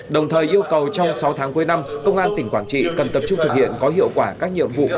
đồng thời yêu cầu trong sáu tháng cuối năm công an tỉnh quảng trị cần tập trung thực hiện có hiệu quả các nhiệm vụ